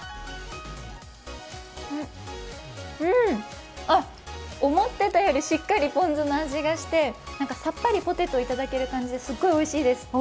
うん、あっ、思っていたよりしっかりポン酢の味がしてさっぱりポテトを頂ける感じですごくおいしいです。